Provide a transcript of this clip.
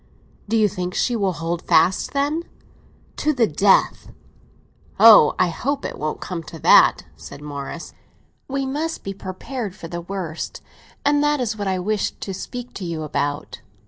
"Do you think she will hold fast, then?" "To the death!" "Oh, I hope it won't come to that," said Morris. "We must be prepared for the worst, and that is what I wish to speak to you about."